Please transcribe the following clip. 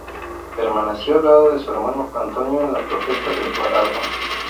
Permaneció al lado de su hermano Antonio en la Protesta de Baraguá.